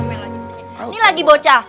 ini lagi bocah